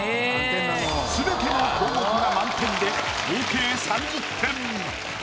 全ての項目が満点で合計３０点。